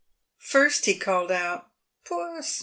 First he called out "Puss!